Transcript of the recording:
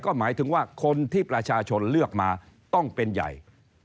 ก็หมายถึงว่าคนที่ประชาชนเลือกมาต้องเป็นใหญ่